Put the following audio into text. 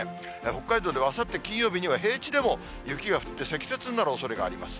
北海道ではあさって金曜日には平地でも雪が降って、積雪になるおそれがあります。